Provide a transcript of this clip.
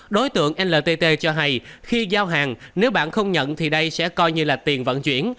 đối tượng ltt cho hay khi giao hàng nếu bạn không nhận thì đây sẽ coi như là tiền vận chuyển